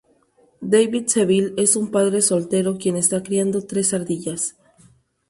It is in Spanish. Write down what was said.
David Seville es un padre soltero quien está criando tres ardillas.